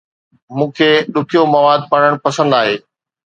مون کي ڏکيو مواد پڙهڻ پسند آهي